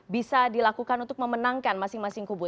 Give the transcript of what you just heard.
bisa dilakukan untuk memenangkan masing masing kubu